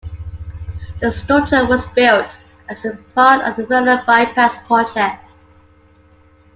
The structure was built as a part of the Welland By-Pass project.